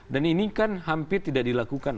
dan ini kan hampir tidak dilakukan